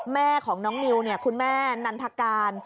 แม่ของน้องนิวคุณแม่นันทการ